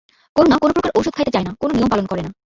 করুণা কোনো প্রকার ঔষধ খাইতে চায় না, কোনো নিয়ম পালন করে না।